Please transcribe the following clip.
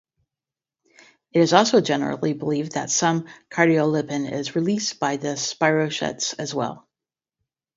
It also generally believed that some cardiolipin is released by the spirochetes as well.